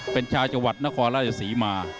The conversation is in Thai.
เป็นชาวจังหวัดนครราชศรีมา